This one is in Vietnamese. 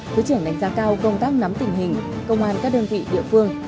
thứ trưởng đánh giá cao công tác nắm tình hình công an các đơn vị địa phương